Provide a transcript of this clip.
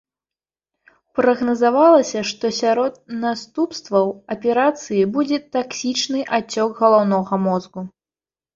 Прагназавалася, што сярод наступстваў аперацыі будзе таксічны ацёк галаўнога мозгу.